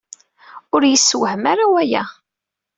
Ur iyi-yessewhem ara waya.